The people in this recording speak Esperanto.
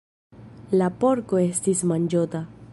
La porko estis manĝota.